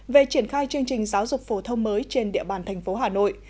về triển khai chương trình giáo dục phổ thông mới trên địa bàn tp hà nội